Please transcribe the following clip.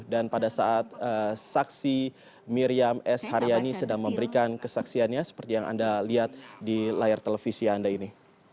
dan pada saat saksi miriam s haryani sedang memberikan kesaksiannya seperti yang anda lihat di layar televisi anda ini